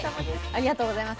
ありがとうございます。